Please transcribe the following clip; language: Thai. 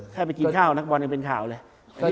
ให้ไปกินข้าวนักบอลยังเป็นข่าวเลย